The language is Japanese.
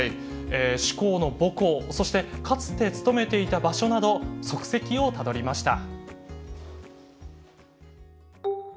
え志功の母校そしてかつて勤めていた場所など足跡をたどりました。